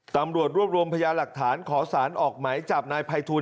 ตำรวจรวบรวมพยาหลักฐานขอสารออกไหมจับนายภัยทูล